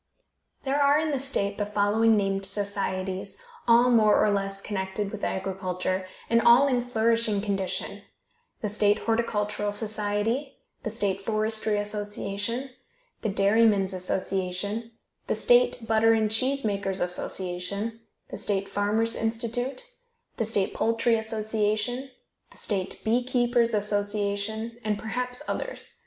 There are in the state the following named societies, all more or less connected with agriculture, and all in flourishing condition: The State Horticultural Society, the State Forestry Association, the Dairymen's Association, the State Butter and Cheese Makers' Association, the State Farmers' Institute, the State Poultry Association, the State Bee Keepers' Association, and perhaps others.